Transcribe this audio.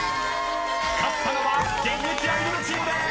［勝ったのは現役アイドルチームでーす！］